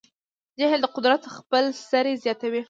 جهل د قدرت خپل سری زیاتوي.